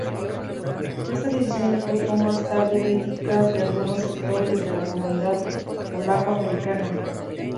Esta decisión le costó más tarde críticas de algunos sectores de la comunidad polaco-americana.